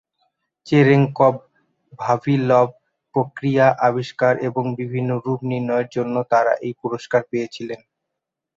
Cherenkov-Vavilov ক্রিয়া আবিষ্কার এবং এর বিভিন্ন রুপ নির্ণয়ের জন্য তারা এই পুরস্কার পেয়েছিলেন।